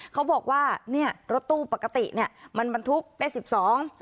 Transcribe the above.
เขาบอกว่าเนี้ยรถตู้ปกติเนี้ยมันบรรทุกได้สิบสอง